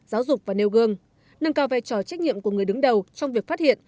giáo dục và nêu gương nâng cao vai trò trách nhiệm của người đứng đầu trong việc phát hiện